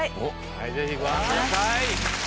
はいぜひご覧ください。